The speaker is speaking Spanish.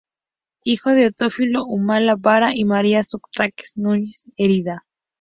Hijo de Teófilo Humala Vara y María Sócrates Núñez Heredia.